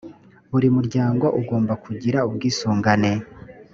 buri muryango ugomba kugira ubwisungane